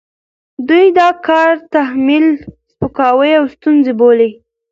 دوی دا کار تحمیل، سپکاوی او ستونزه بولي،